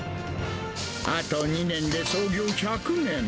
あと２年で創業１００年。